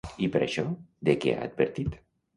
I per això, de què ha advertit?